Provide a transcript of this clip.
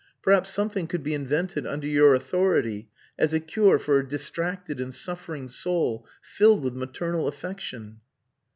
Perhaps something could be invented under your authority as a cure for a distracted and suffering soul filled with maternal affection."